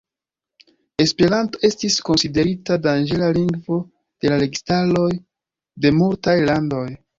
Esperanto estis konsiderita "danĝera lingvo" de la registaroj de multaj landoj.